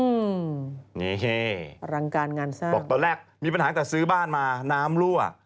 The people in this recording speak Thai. อืมนี่รังการงานสร้างบอกตอนแรกมีปัญหาแต่ซื้อบ้านมาน้ำรั่ว